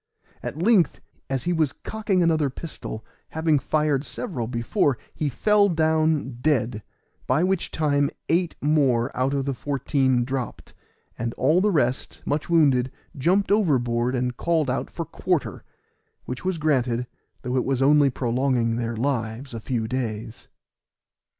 At length, as he was cocking another pistol, having fired several before, he fell down dead; by which time eight more out of the fourteen dropped, and all the rest, much wounded, jumped overboard and called out for quarter, which was granted, though it was only prolonging their lives a few days.